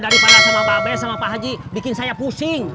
daripada sama pak bes sama pak haji bikin saya pusing